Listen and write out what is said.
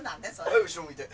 はい後ろ向いて。